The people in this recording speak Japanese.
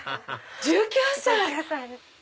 １９歳！